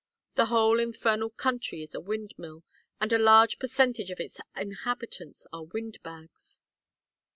The whole infernal country is a windmill and a large percentage of its inhabitants are windbags."